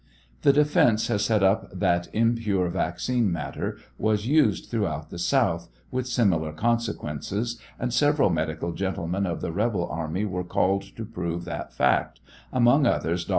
The defejice has set up that impure vaccine matter was used throughout the south, with similar consequences, and several medical gentlemen of the rebel army were called to prove that fact, among others 13f.